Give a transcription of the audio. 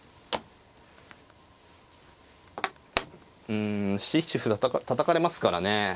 うん７七歩たたかれますからね。